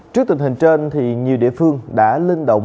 trước tình hình trên nhiều địa phương đã linh động